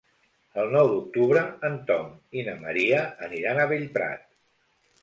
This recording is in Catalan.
El nou d'octubre en Tom i na Maria aniran a Bellprat.